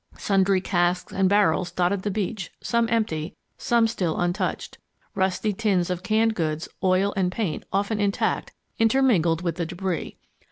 Sundry casks and barrels dotted the beach, some empty, some still untouched. Rusty tins of canned goods, oil, and paint, often intact, intermingled with the debris.